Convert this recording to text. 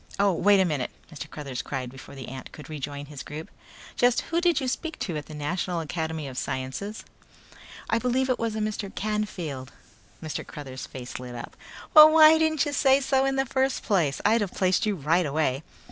"Oh, wait a minute," Mr. Cruthers cried before the ant could rejoin his group. "Just who did you speak to at the National Academy of Sciences?" "I believe it was a Mr. Canfield." Mr. Cruthers' face lit up. "Well, why didn't you say so in the first place! I'd have placed you right away."